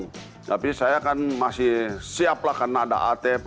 tapi saya kan masih siap lah karena ada at